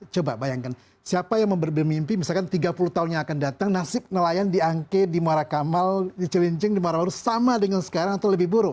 coba bayangkan siapa yang bermimpi misalkan tiga puluh tahun yang akan datang nasib nelayan di angke di muara kamal di cilincing di maros sama dengan sekarang atau lebih buruk